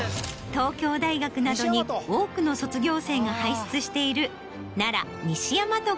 東京大学などに多くの卒業生が輩出している。